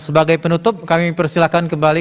sebagai penutup kami persilahkan kembali